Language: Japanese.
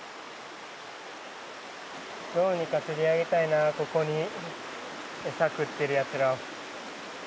どうにか釣り上げたいなここにエサ食ってるやつらを。